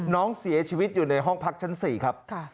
น้องเสียชีวิตอยู่ในห้องพักชั้น๔ครับ